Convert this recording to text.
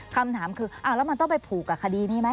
คำถามคือแล้วมันต้องไปผูกกับคดีนี้ไหม